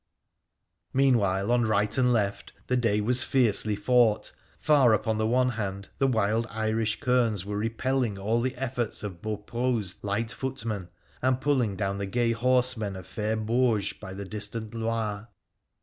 Meanwhile, on right and left, the day was fiercely fought. Far upon the one hand the wild Irish kerns were repelling all the efforts of Beaupreau's light footmen, and pulling down the gay horsemen of fair Bourges by the distant Loire.